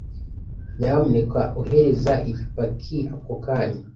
nyamuneka ohereza iyi paki ako kanya